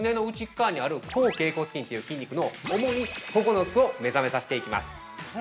かわにある後脛骨筋という筋肉の主に９つを目覚めさせていきます。